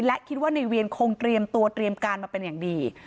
และคิดว่าในเวียนคงเตรียมตัวเตรียมการมาเป็นอย่างดี